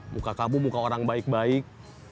muka kamu muka orang baik baik